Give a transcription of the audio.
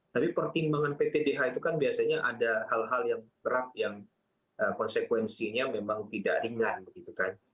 tapi pertimbangan ptdh itu kan biasanya ada hal hal yang berat yang konsekuensinya memang tidak ringan begitu kan